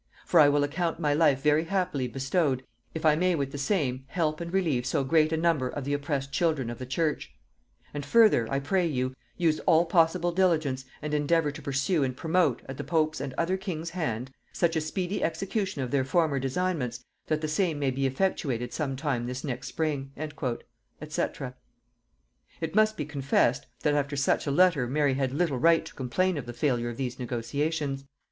For I will account my life very happily bestowed, if I may with the same help and relieve so great a number of the oppressed children of the Church.... And further, I pray you, use all possible diligence and endeavour to pursue and promote, at the pope's and other kings' hand, such a speedy execution of their former designments, that the same may be effectuated sometime this next spring." &c. It must be confessed, that after such a letter Mary had little right to complain of the failure of these negotiations.